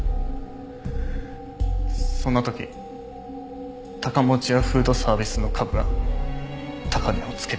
そんな時高持屋フードサービスの株が高値をつけてたから。